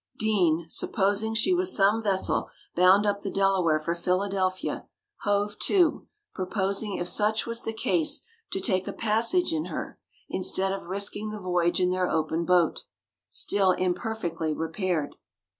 Deane, supposing she was some vessel bound up the Delaware for Philadelphia, hove to, purposing if such was the case to take a passage in her, instead of risking the voyage in their open boat, still imperfectly repaired.